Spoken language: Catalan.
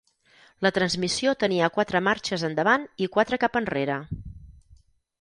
La transmissió tenia quatre marxes endavant i quatre cap enrere.